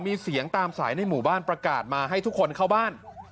มีเสียงตามสายในหมู่บ้านประกาศมาให้ทุกคนเข้าบ้าน